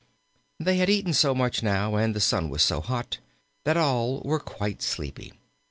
They had eaten so much now, and the sun was so hot, that all were quite sleepy.